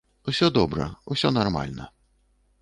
Усё добра, усё нармальна.